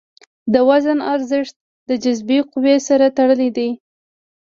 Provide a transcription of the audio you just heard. د وزن ارزښت د جاذبې قوې سره تړلی دی.